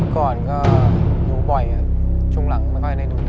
ก่อนก็ดูบ่อยช่วงหลังไม่ค่อยได้ดู